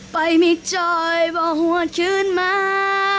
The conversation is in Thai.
ไปมีจ่อยว่าหวัดขึ้นมา